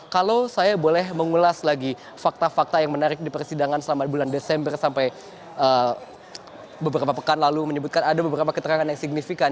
kalau saya boleh mengulas lagi fakta fakta yang menarik di persidangan selama bulan desember sampai beberapa pekan lalu menyebutkan ada beberapa keterangan yang signifikan